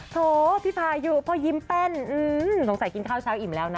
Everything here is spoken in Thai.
โถพี่พายุพ่อยิ้มแป้นสงสัยกินข้าวเช้าอิ่มแล้วนะ